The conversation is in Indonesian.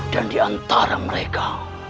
dan diantara mereka